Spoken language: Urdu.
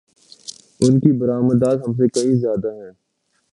ان کی برآمدات ہم سے کہیں زیادہ ہیں۔